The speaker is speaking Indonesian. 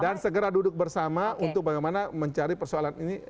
dan segera duduk bersama untuk bagaimana mencari persoalan ini